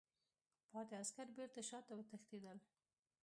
پاتې عسکر بېرته شاته وتښتېدل.